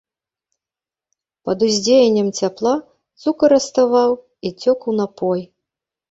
Пад уздзеяннем цяпла, цукар раставаў і цёк у напой.